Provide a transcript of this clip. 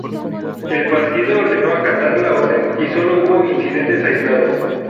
El Partido ordenó acatar la orden y sólo hubo incidentes aislados.